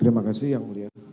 terima kasih yang mulia